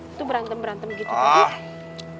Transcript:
itu berantem berantem gitu